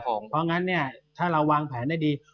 เพราะงั้นเนี่ยถ้าเราวางแผนได้ดี